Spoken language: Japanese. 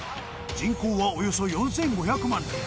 人口はおよそ４５００万人。